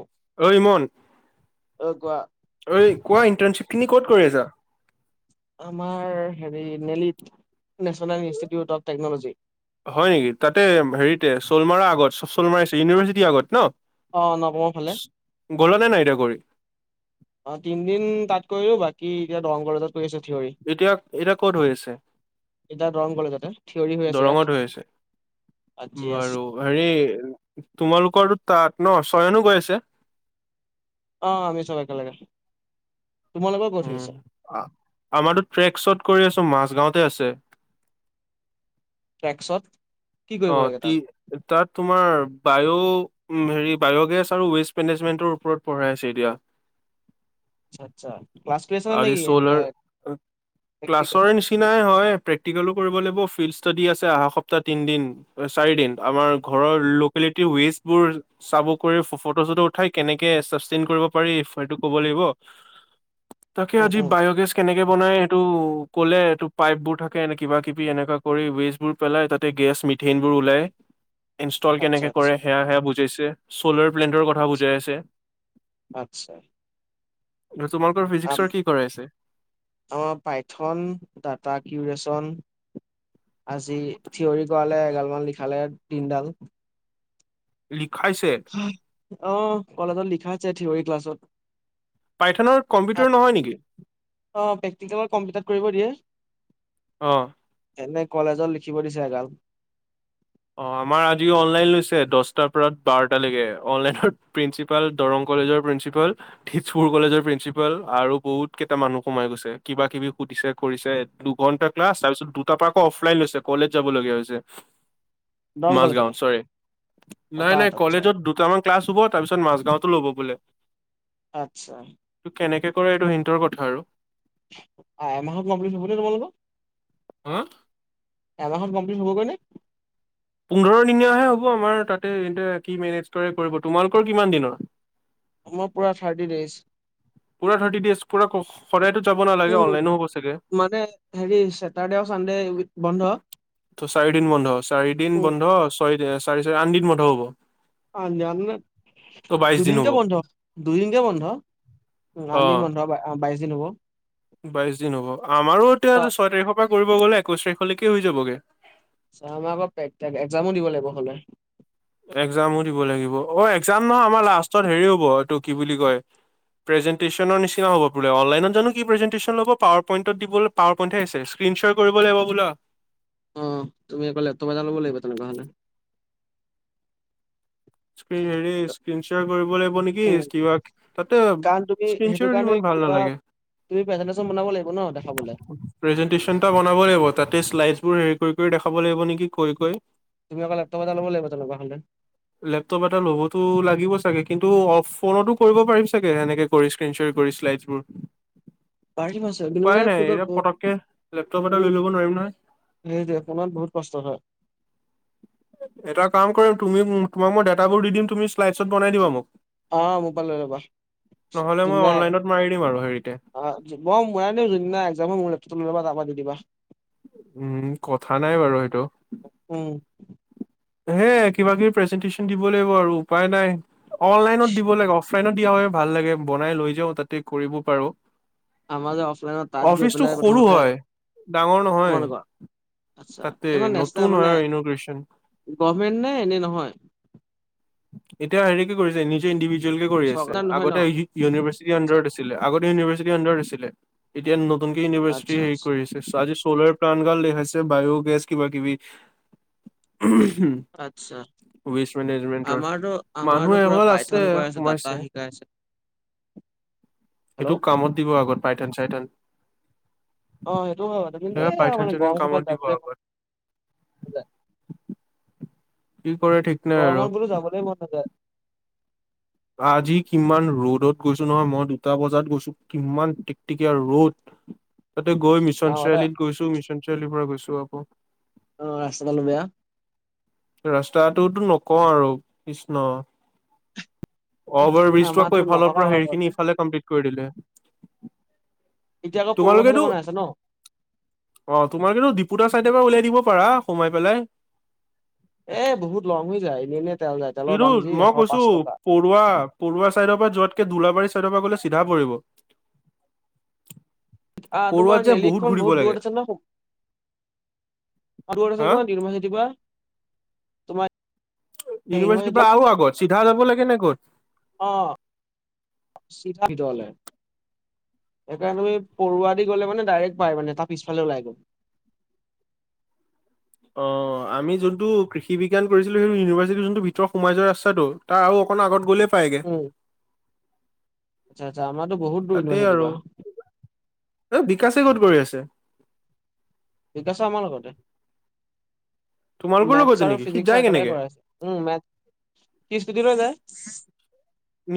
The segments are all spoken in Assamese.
অ ঐ মন কোৱা ঐ কোৱা ইণ্টাৰ্ণশ্বিপখিনি ক'ত কৰি আছা? আমাৰ হেৰি নেলিত, নেশচনেল ইনষ্টিটিউট অফ টেকনলজি। হয় নেকি তাতে হেৰিতে চ'লমাৰ আগত, চ'লমাৰ আছে ইউনিভাৰ্চিটিৰ আগত ন। অ নৱমৰ ফালে গল নে নাই দে কৰি? অ' তিনদিন তাত কৰিলো বাকী এতিয়া দংঘাত এতিয়া, এতিয়া ক'ত হৈ আছে? কজ থিয়ৰী হৈ আছে দৰঙত ইয়াত। হৈ আছে জি এছ বাৰু হেৰি, তোমালোকৰো তাত ন চয়নো গৈ আছে? অ'আমি চব একেলগে। তোমালোকৰ ক'ত হৈ উম আছে আমাৰো ট্ৰেক শ্বত কৰি আছো মাছ গাঁৱতে আছে। ট্ৰেক্সত। কি কৰিব অ' লাগে তাত তাত তোমাৰ বায়', হেৰি বায়' গেছ আৰু ৱেষ্ট মেনেজমেন্টৰ ওপৰত পঢ়াই আছে এতিয়া। আ আচ্ছা, ক্লাছ কৰি আছ আজি নেকি? চ'লাৰ প্ৰেক্টিকেল ক্লাছৰ নিচিনাই হয় প্ৰেক্টিকেলো কৰিব লাগিব ফিল্ড ষ্টডি আছে অহা সপ্তাহ তিনদিন। চাৰি দিন আমাৰ ঘৰৰ লোকেলিটিৰ ৱেচ বোৰ চাব কৰি ফটো চটো উঠাই কেনেকে পাৰিটো কব লাগিব। তাকে উম আজি উম বায় গেছ কেনেকে বনাই সেইটো ক'লে এইটো পাইপবোৰ থাকে এ কিবা কিবি এনেকা কৰি ৱেষ্টবোৰ পেলাই তাতে গেছ মি ধনবোৰ ওলাই ইনষ্টল আচ্ছা কেনেকৈ কৰে আচ্ছা সেয়া সেয়া বুজাইছে। ছ'লাৰ প্লেণ্টৰ কথা আচ্ছা বুজাই আছে। আচ্ছা তোমালোকৰ ফিজিক্সৰ কি কৰাইছে আমাৰ পাইথন ডা, কিৰি আজি থিয়ৰি কৰালে এগাল মান লিখালে দিনডাল। লিখাইছে অ, কলেজত লিখাছে, থিয়ৰী ক্লাছত। পাইথনৰ কম্পিউটাৰ নহয় নেকি অ, প্ৰেকটিকেল কম্পিউটাৰ কৰিব দিয়ে। আহ। এনে কলেজত লিখিব দিছে, এগাল। অ, আমাৰ আজি অনলাইন লৈছে, দহটাৰ পৰা বাৰটালৈকে অনলাইন প্ৰিন্সিপাল দৰং। কলেজৰ প্ৰিঞ্চিপাল থিজপুৰ কলেজৰ প্ৰিন্ঞ্চিপাল আৰু বহুত কেইটা মানুহ কোমাই গৈছে কিবা, কিবি পুতিছে, কৰিছে, দুঘণ্টা। ক্লাছ তাৰপিছত দুটাৰ পৰা আকৌ অফলাইন লৈছে কলেজ যাবলগীয়া হৈছে। দৰং কলেজতে, মাজগাঁৱত, চৰি। অ', নাই, তাত নাই, আচ্ছা, কলেজত দুটামান ক্লাছ হ'ব তাৰপিছত মাজগাওতো ল'ব বোলে। আত্ছা। ত কেনেকে কৰে এইটো হিন্তৰ কথা আৰু। এমাহত গমপ্লিট হ'বনে তোমালোক হা এমাহত। হ'ব, কনে পোন্ধৰ দিনীয়াহে হ'ব আমাৰ তাতে এ, কি, মেনেজ কৰে কৰিব তোমালোকৰ কিমান দিনৰ মই পুৰা থাৰ্টি ডেইজ। পুৰা থটিজ, পুৰা সদায়তো যাব নালাগে, উম। অনলাইনো হ'ব চাগে। মানে হেৰি চেটাৰডে আৰু চানডে, বন্ধ। ত, চাৰিদিন বন্ধ, চাৰিদিন উম, বন্ধ, ছয়, চাৰি, চাৰি আন দিন বন্ধ হ'ব। অজান, ত' বাইশ দিন দুদিনক হ'ব বন্ধ, দুদিনকে বন্ধ। অ আনিম বন্ধ, বাইশ দিন হ'ব। বাইশ দিন হ'ব। আমাৰো এতিয়া ছয় তাৰিখৰ পৰা কৰিব গ'লে একৈশ তাৰিখলৈকে হৈ যাবগে। চ, আমাৰ আকৌ একজামো দি'ব লাগিব হ'লে। একজামো দিব লাগিব অ, একজাম নহয়, আমাৰ লাষ্টত হেৰি হ'ব এইটো কি বুলি কয়। প্ৰেজেটেশ নিচিনা হ'বোলাইন জানো কি প্ৰেন্টন'ব পাৱাৰ পইন্ দ, পাৱাৰই তিন, চাৰ কৰিব লাগিব বোলা। আহ, তুমি কলে ত বজা ল'ব লাগিব, তেনেকুৱা হ'লে। হেৰি স্নাৰ কৰিব লাগিব নেকি উম, কিবা তাতে কাৰণ তুমি সেইটো কাৰণে স্কনাৰমান ভাল ভাল কিবা নালাগে। তুমি প্ৰেজেন্টেচন বনাব লাগিব ন দেখাবলে। প্ৰেজেনটচনটা বনাব লাগিব, তাতে্লাই টোৰ হেৰি কৰি, কৰি দেখাব লাগিব নেকি কৈ, কৈ তুমি অ, লেপটপত যালাব লাগিবাে। লেপটপ এটা ল'বতো লাগিব চাগে। কিন্তু অফ ফোনতো কৰিব পাৰিম চাগে সেনেকে কৰিক্ৰন শ্ব কৰি লাইজ মোৰ পাৰিম আছে কিন্তু উপায় মানে নাই, ফোনত এতিয়া বহুত পটককে, লেপটপ এটা লৈ ল'ব নোৱাৰিম নহয়। সেইটোৱপোনত বহুত কষ্ট হয়। এটা কাম কৰিম তুমি তোমাক মই ডেত বোৰ দি দিম তুমি শ্লাইডছত বনাই দিবা মোক অ, মো, পাই য'বা। নহ'লে ই, মই অনলাইনত মাৰি দিম আৰু হেৰিতে অ, মৰ, মৰাু এক ম তুমি বাবা যাবা দি দিবা। উম, কথা নাই বাৰু সেইটো। [inaudible] হে, কিবা, কিবি প্ৰেজেন্টচন দিব লাগিব। আৰু উপায় নাই, অনলাইনত দিব লাগে। ফ্ৰেডত দিয়া হয়, ভাল লাগে। বনাই লৈ যাওঁ তাতে কৰিব পাৰো। আমাৰ যে অফলাইনত তাত গৈ অফিচটো পেলাই সৰু প্ৰথমতে হয়, ডাঙৰ নহয়। তোমালোকৰ আচ্ছা তাতে নতুন হয়, ইনোগ্ৰেশন। গভমেণ্ট নে এনে নহয়? এতিয়া হেৰি কি কৰিছে নিজে ইণ্ডিভিজ ভিজুৱেল কৰি আছে। চৰকাৰ নহয় ন? আগতে ই-ইউনিভাৰ্চিটি আচ্ছা, আণ্ডাৰত আছিলে। আগতে ইউনিভাৰ্চিটি আণ্ডাৰত আছিলে। এতিয়া ন তুনযে ইউনিভাৰ্চিটি আচ্ছা, হেৰি আচ্ছা, কৰিছে, আজি চ'লাৰ প্লানট গাল দেখাইছে, বায়' গেছ কিবা কিবি। আচ্ছা। ৱেষ্ট মেনেজমেণ্ট টৰ, আমাৰতো আমাৰতো মানুহ পুৰা [unintelligible] আছে পাইথন কৰাই ডাটা সোমাইছে। শিকাই আছে। হেল্ল'? এইটো কামত দিব আগত পাইঠান চাইঠান। অ সেইটো হয় বাৰু কিন্তু এ, এই পাইঠান মানে চাইঠান গৰম খোপাত কামত দিব যাবলৈ মন আগত। [inaudible] নাযায় কি কৰে ঠিক নাই আৰু গৰমত বোলো যাবলেই মন নাযায়। আজি কিমান ৰ'দত গৈছো নহয়, মই দুটা বজাত গৈছো কিমান টিকটিকীয়া ৰ'দ। তাতে গৈ মিছন আহ এটা চাৰিআলিত গৈছো, মিছন চাৰিআলিৰ পৰা গৈছো আকৌ। অ, ৰাস্তা গালো বেয়া। ৰাস্তাটোতো নকওঁ আৰু, কৃষ্ণ! অভাৰ ব্ৰিজটো আমাৰতো আকৌ ইফালৰ নথকা পৰা হয় হেৰি খিনি ঘৰতে ইফালে কমপ্লিট কৰি দিলে। এতিয়া আকৌ পৰুৱা ফালে তোমালোকেতো, বনাই আছে ন অ, তোমালোকেতো ডিপুতা চাইডৰ পৰা উলাই দিব পাৰা, সোমাই পেলাই। এ বহুত লং হৈ যায়, এনেই এনে তেল যায় তেলৰ কিন্তু দাম যি মই এশ কৈছো পাঁচ টকা পৰুৱা পৰুৱা চাইডৰ পৰা যোৱাতকে ধোলাবাৰী চাইডৰ পৰা গলে চিধা পৰিব। আহ, পৰুৱাত তোমাৰ যে নেলিখন ঘূৰিব বহুত লাগে দূৰত আছে ন' আৰু ত হা আ য দিমাহ খতিপা [unintelligible] ইউনিভাৰ্চিটিৰ পৰা আৰু আগত, চিধা যাব লাগে নে ক'ত? অহ', চিধা, ভিতৰলে। সেইকাৰণে আমি পৰুৱা দি গ'লে মানে ডাইৰেক্ট পাই, মানে তাৰ পিছফালে ওলাই গৈ। অ', আমি যোনটো কৃষিবিজ্ঞান কৰিছিলোঁ, সেইটো ইউনিভাৰ্চিটি যোনটো ভিতৰত সোমাই যোৱা ৰাস্তাটো তাৰ আৰু অকণ আগত গ'লেই পাইগে। উম আচ্ছা আচ্ছা আমাৰতো বহুত দূৰ তাতে ইউনিভাৰ্চিটিৰ আৰু, পৰা এ, বিকাশে ক'ত কৰি আছে? বিকাশো আমাৰ লগতে তোমালোকৰো মেথছ লগতে আৰু নেকি সি যায় ফিজিক্সৰ একেলগে কেনেকে কৰাইছে, উম, মে সি স্কুটি লৈ যায়।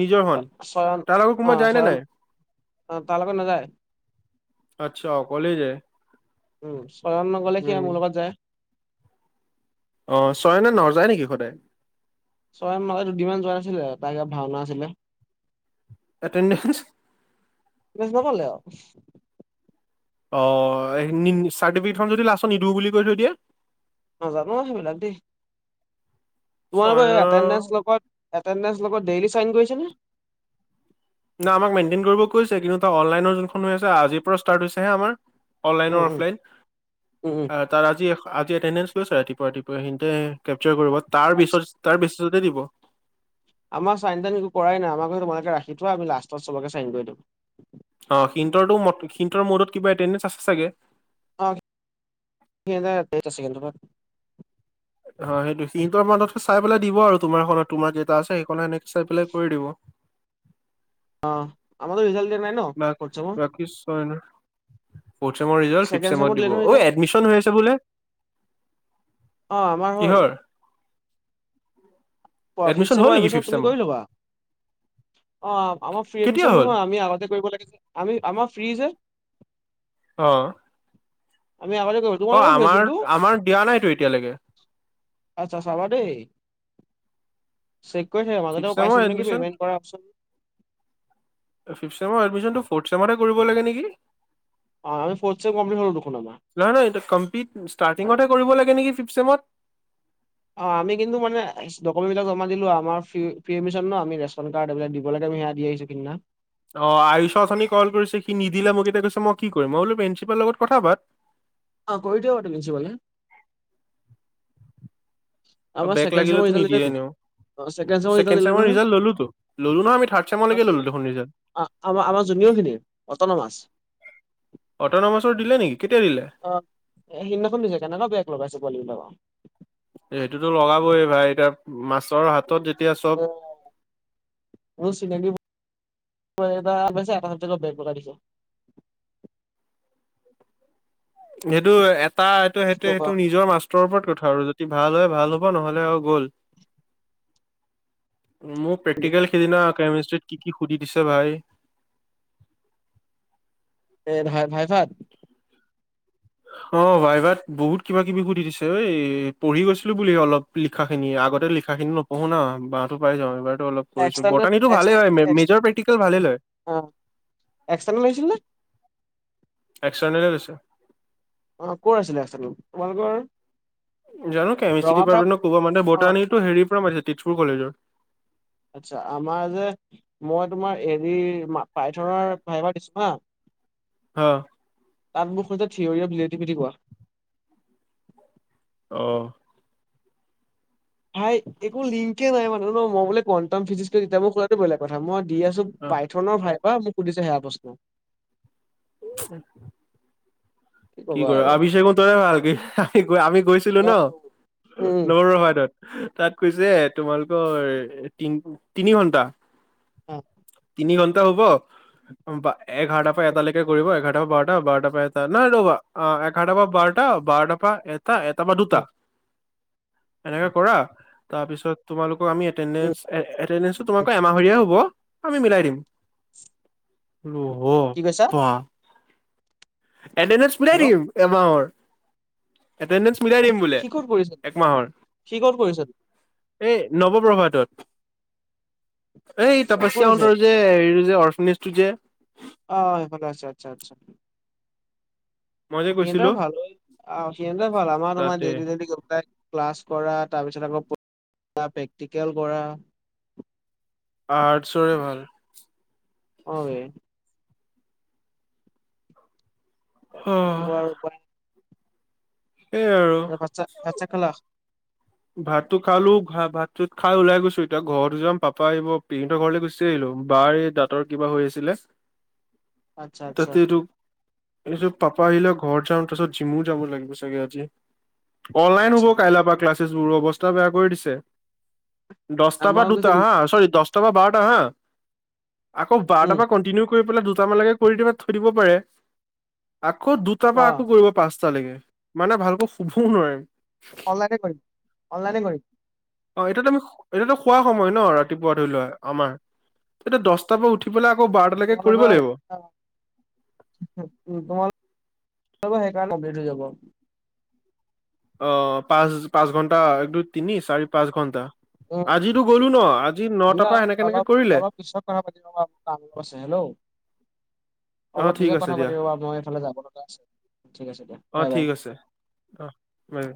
নিজৰ খন স্বয়ন তাৰ লগত কোনোবা অ', যায় নে স্বয়ন নাই? অ', তাৰ লগত নাযায়? আচ্ছা অকলেই যায়। উম, স্বয়ন নগ'লে সি উম, মোৰ লগত যায়। অ', স্বয়নে ন যায় নেকি সদায়? ছয়ন নহয় দুদিনমান যোৱা নাছিলে, তাৰ কিবা ভাওনা আছিলে। এতেন্দেঞ্চ। মেছেজ [inaudible] অ', চাৰ্টিফিকেট খন যদি লাষ্টত নিদিও বুলি কৈ থৈ দিয়ে? নাজানো আৰু সেইবিলাক দেই। তোমালোকৰ এই চয়নৰ এতেন্দেঞ্চ লগত, এতেণ্ডেঞ্চ লগত ডেইলি চাইন কৰিছেনে? না আমাক মেইনটেইন কৰিব কৈছে, কিন্তু তাৰ অনলাইনৰ যোনখন হৈ আছে আজিৰ পৰা ষ্টাৰ্ট হৈছেহে আমাৰ অনলাইন উম আৰু উম অফলাইন, উম উম আ তাৰ আজি, আজি এটেণ্ডেঞ্চ লৈছে ৰাতিপুৱা ৰাতিপুৱা সিহঁতে কেপচাৰ কৰিব, তাৰ আচ্ছা পিছত, তাৰ পিছতেই দিব। আমাৰ চাইন তাইন একো কৰাই নাই, আমাক কৈছে তোমালোকে ৰাখি থোৱা, আমি লাষ্টত চবকে চাইন কৰি দিম। অ', সিনটৰটো মত সিনটোৰ ম'ডত কিবা অতেন্দেন্স আছে চাগে। অ [unintelligible] হয় সেইটো সিহতৰ মানত চাই পেলাই দিব আৰু তোমাৰত তোমাৰ কেইটা আছে সেইখননে সেনেকে চাই পেলাই কৰি দিব। [inaudible] অ', আমাৰতো ৰিজাল্ট দিয়া নাই ন? বাক ফৌৰ্থ ছেমৰ? ফোৰ্ট চেমৰ ৰিজাল্ট ফিফত চেমট দিলে দিব। নহয় ৰিজাল্ট অই এডমিশন হৈ আছে বোলে। অ', আমাৰ হ'ল। কিহৰ [inaudible] অ', ফিফ্ট এডমিশন হ'ল চেমৰ নেকি এডমিছন ফিফ্থ তুমি চেমৰ কৰি ল'বা। অ', আমাৰ ফ্ৰী কেতিয়া এডমিছন হ'ল নহয় আমি আগতে কৰিব লাগে যে আমি আমাৰ ফ্ৰী যে। অ'। আমি আগতে কৰিব লাগে অ তোমালোকৰও হৈ আমাৰ আছিলটো। আমাৰ দিয়া নাইতো এতিয়ালৈকে আচ্ছা চাবা দেই। চেক কৰি থাকিবা মাজতে ফিফ্ট মই ছেমৰ পাইছিলো নেকি এডমিছন পেমেণ্ট কৰা অপচন ফিফ্ট ছেমৰ এডমিছনটো ফোৰ্ট ছেমতে কৰিব লাগে নেকি? অ আমি ফৰ্থ চেম কমপ্লিট হলো দেখোন আমাৰ নহয় নহয় কমপ্লিট ষ্টাৰ্টিঙতহে কৰিব লা নেকি ফিফ্টচেমত। অ', আমি কিন্তু মানে ডকুমেণ্টবিলাক জমা দিলো আমাৰ ফ্ৰী এডমিচন ন আমি ৰেচন কাৰ্ড এইবিলাক দিব লাগে। সেয়া দি আহিছোঁ সিদিনা। অ', আয়ুষৰ উঠনি কল কৰিছে। সি নিদিলে মোক এতিয়া কৈছে মই কি কৰিম মই বোলো প্ৰিঞ্চিপালৰ লগত কথা পাত। অ', কৰি দিব পাৰেটো প্ৰিঞ্চিপালে। আৰু আমাৰ বেক ছেকেণ্ড চেমৰ লাগিলেতো ৰিজাল্ট নিদিয়ে দিলেতো এনেও। অ ছেকেণ্ড ৰিজাল্ট ছেকেন্ড দিলে চেমৰ নহয় ৰিজাল্ট ললোতো ল'লো নহয় আমি থাৰ্ড নহয় ছেমৰলৈকে ল'লো নহয়, দেখোন ৰিজাল্ট। আমাৰ আমাৰ জুনিয়ৰখিনিৰ অটনমাছ। অটন'মাছৰ দিলে নেকি কেতিয়া দিলে? অ', এ সিদিনাখন দিছে কেনেকুৱা বেক লগাইছে পোৱালিবিলাকৰ। সেইটোতো লগাবই ভাই, এতিয়া মাছৰ হাতত যেতিয়া চব অ', মোৰ চিনাকী পোৱালি এটা এটা চাবজেকট বেক লগাই দিছে। সেইটো এটা এইটো কি সেইটো ক'বা সেইটো নিজৰ মাষ্টৰৰ ওপৰত কথা। আৰু যদি ভাল হয় ভাল হ'ব নহ'লে আৰু গ'ল। মোৰ আৰু প্ৰেক্টিকেল সিদিনা কেমিষ্ট্ৰিত কি কি সুধি দিছে ভাই। এ ভাই-ভাইভাত? অ', ভাইভাত বহুত কিবা কিবি সুধি দিছে ঐ পঢ়িও গৈছিলো বুলি অলপ লিখাখিনি। আগতে লিখাখিনি নপঢ়ো ন বাহঁটো পাই যাওঁ এবাৰ। অলপ কৰিছো এক্সটাৰ্নেল বৰটানীটো এক্স ভালেই হয়। মেজৰ প্ৰেক্টিকেল ভালেই হয়। এক্সতাৰনেল আহিছিল নে? এক্সট্ৰানেলে লৈছে। অ', ক'ত আছিলে এক্সট্ৰানেলটো তোমালোকৰ জানো কেমিষ্ট্ৰি ৰঙাপাৰা ডিপাৰ্টমেণ্টনো ক'ৰ পা মাতে, অ বটানীটো হেৰিৰ পৰা মাতিছে তেজপুৰ কলেজৰ। আচ্ছা আমাৰ যে মই তোমাৰ হেৰি পাইথনৰ ভাইভাৰ দিছো হা ৎ। অ'। তাত মোক সুধিছে থ্ৰিঅ'ৰি [unintelligible] কোৱা? অ' ভাই একো লিংকে নাই মানে ন মই বোলে কণ্টাম ফিজিক্সক তেতিয়া মই কটো বেলেগ কথা। মই দি আছো পাইথনৰ ভাইভা মোক সুধিছে সেয়া প্ৰশ্ন। [inaudible] কি ক'বা কৰ আৰু [unintelligible] আমি গৈছিলো অ ন। উম [inaudible] তাত কৈছে তোমালোকৰ তিন তিনি ঘন্টা। অ'। তিনি ঘণ্টা হ'ব, এঘাৰটা পৰা এটা কৰিব এঘাৰটা বা বাৰটা বাৰটা পৰা এটা, নাই ৰ'বা অ' এঘাৰটা বা বাৰটা বাৰটা এ এটা বা দুটা উম এনেকাে কৰা, তাৰপিছত তোমালোক অ আমি উম এটেন্ডেন্ট তোমালাক এমাহৰীয়া হব? আমি মিলাই দিম ৰহ। কি কৈছা তোৱা। এটেন্ডেন্ট হেল্ল' দিম এবাৰৰ। এটেন্ডেন্ট মিলাই দিম বোলে সি ক'ত কৰিছিল? একমাহৰ। সি ক'ত কৰিছিল? এই নৱপ্ৰভাতত এই আচ্ছা তপচ্য ক'ত আছে? অন্তৰ যে এই যে নিশ [unintelligible] যে অ', ভাল আছে। আচ্ছা আচ্ছা। মই যে এট গৈছিলো ভাল। অ', সিহতে ভাল আমাৰ তোমাৰ তাতে ডেইলী ডেইলী ক্লাছ কৰা, তাৰপিছত আকৌ এ প্ৰেক্টিকেল কৰা। আৰ্টচৰে ভাল। অ এ। কি কব অ' আৰু উপাই নাই। সেই আৰু এ বা [unintelligible] বাচ কলা ভাতটো খালো ভাতটো খাই ওলাই গৈছো, এতিয়া ঘৰত যাম পাপা আহিব পেহিতৰ ঘৰলে গুচি আহিলো। বাৰ এই দাঁতৰ কিবা হৈ আছিলে। আচ্ছা আচ্ছা। এই পিছত পাপা আহিলে ঘৰ যাওঁ তাৰপিছত জিমো যাব লাগিব চাগে আজি। অনলাইন হ'ব, আচ্ছা। কাইল পৰা ক্লাছেছবোৰ অৱস্থা বেয়া কৰি দিছে। দহটা বা আমাৰো দুটা গৈছে হা চৰি দহটা বা বাৰটা হা। আকৌ বাৰটা উম, বা কণ্টিনিউ পেলাই দুটা মানকে কৰি দিপেলাই থৈ দিব পাৰে, আকৌ দুটাৰ পৰা আকৌ অ' কৰিব পাঁচ চালেগে মানে ভালকৈ শুভোও নোৱাৰিম অনলাইনে কৰিম অনলাইনে কৰিম অ এইটো তো আমি এইটো খোৱা সময় ন ৰাতিপুৱা ধৰি লোৱা আমাৰ এতিয়া দছটাৰ পৰা উঠি পেলায়। তোমালোকে [unintelligible] [inaudible] যাব সেইকাৰণে [unintelligible] হৈ যাব। অ পাঁচ পাঁচ ঘণ্টা এক দু তিনি চাৰি পাঁচ ঘণ্টা উম', দিয়া পৰা সেনেকে এনেকে অলপ কৰিলে অলপ পিছত কথা পাতি লব অলপ কাম আছে। হেল্ল', অ', অ অলপ ঠিক পিছত আছে কথা দিয়া পাতিব বাৰু মই এফালে যাব লগা আছো ঠিক আছে দিয়া বাই বাই অহ বাই